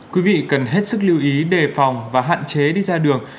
quý vị cần hết sức lưu ý đề phòng và hạn chế đi ra đường